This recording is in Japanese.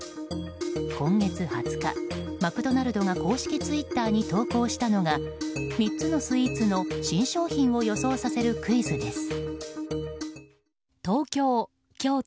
今月２０日、マクドナルドが公式ツイッターに投稿したのが３つのスイーツの新商品を予想させるクイズです。